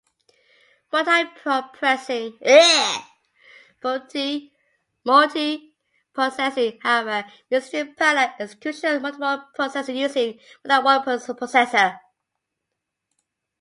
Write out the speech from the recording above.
Multiprocessing however means true parallel execution of multiple processes using more than one processor.